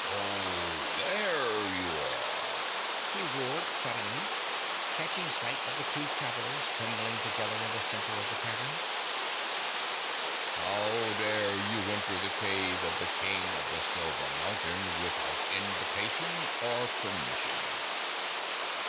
"Ho! THERE you are!" he roared, suddenly catching sight of the two travellers trembling together in the center of the cavern. "How dare you enter the cave of the King of the Silver Mountain without invitation or permission?"